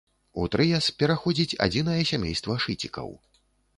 У трыяс пераходзіць адзінае сямейства шыцікаў.